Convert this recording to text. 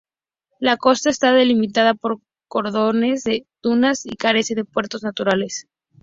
La costa está delimitada por cordones de dunas y carece de puertos naturales.